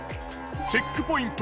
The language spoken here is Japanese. チェックポイント